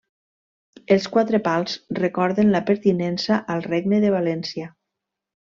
Els quatre pals recorden la pertinença al Regne de València.